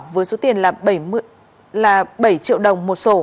với số tiền là bảy triệu đồng